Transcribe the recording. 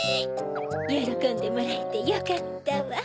よろこんでもらえてよかったわ。